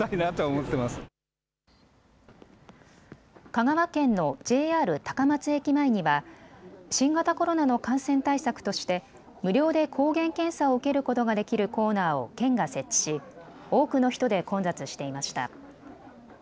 香川県のＪＲ高松駅前には新型コロナの感染対策として無料で抗原検査を受けることができるコーナーを県が設置し多くの人で混雑していました。